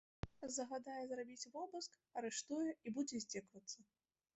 Загадае зрабіць вобыск, арыштуе і будзе здзекавацца.